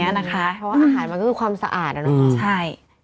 ดีน่ะกินของออร์แกนิคก็สงสารผู้ประกอบการไม่อยากไปซ้ำเติมอะไรแข็งแด๋ว